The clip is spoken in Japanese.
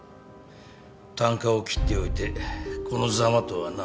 たんかを切っておいてこのざまとはな。